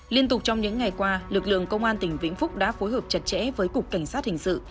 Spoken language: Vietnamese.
liên tục trong những ngày qua lực lượng công an tỉnh vĩnh phúc đã phối hợp chặt chẽ với cục cảnh sát hình sự